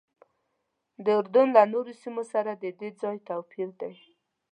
د اردن له نورو سیمو سره ددې ځای توپیر دی.